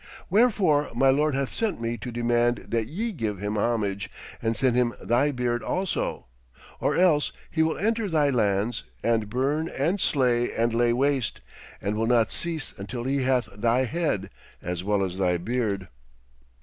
Wherefore my lord hath sent me to demand that ye give him homage and send him thy beard also. Or else he will enter thy lands, and burn and slay and lay waste, and will not cease until he hath thy head as well as thy beard.'